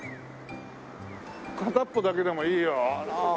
片っぽだけでもいいよ。